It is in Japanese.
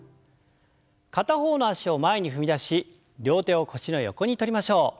片方の脚を前に踏み出し両手を腰の横にとりましょう。